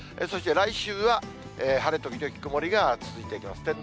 そして来週は晴れ時々曇りが続いていきます。